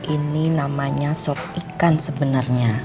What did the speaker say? ini namanya sop ikan sebenarnya